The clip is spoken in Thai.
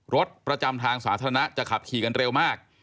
รถประจำทางสาธารณะจะขับขี่กันเร็วมาก